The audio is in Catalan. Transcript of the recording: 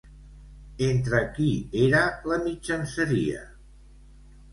Entre qui era la mitjanceria?